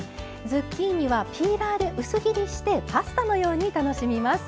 ズッキーニはピーラーで薄切りしてパスタのように楽しみます。